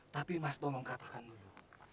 tapi mas tomong katakan dulu